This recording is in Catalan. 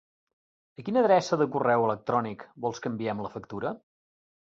A quina adreça de correu electrònic vols que enviem la factura?